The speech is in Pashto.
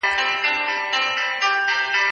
زه مخکي تکړښت کړي وو،